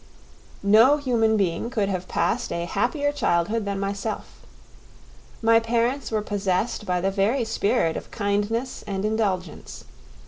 No human being could have passed a happier childhood than myself. My parents were possessed by the very spirit of kindness and indulgence.